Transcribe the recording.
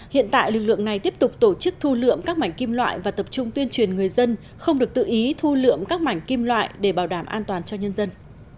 hiện tại lực lượng này tiếp tục tổ chức thu lượm các mảnh kim loại và tập trung tuyên truyền người dân không được tự ý thu lượm các mảnh kim loại để bảo đảm an toàn cho nhân dân